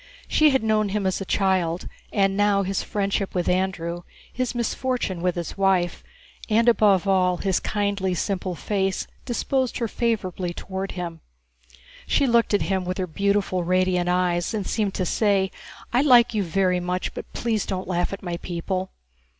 She had known him as a child, and now his friendship with Andrew, his misfortune with his wife, and above all his kindly, simple face disposed her favorably toward him. She looked at him with her beautiful radiant eyes and seemed to say, "I like you very much, but please don't laugh at my people."